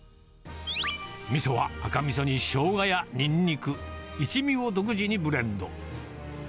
みそは、赤みそにしょうがやにんにく、一味を独自にブレンド。